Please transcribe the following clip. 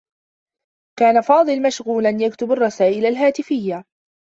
كان فاضل مشغولا، يكتب الرّسائل الهاتفيّة.